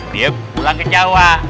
dia pulang ke jawa